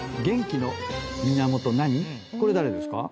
これ誰ですか？